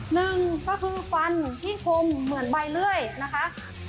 หนึ่งก็คือฟันที่คมเหมือนใบเลื่อยนะคะ